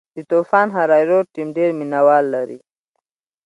د طوفان هریرود ټیم ډېر مینه وال لري.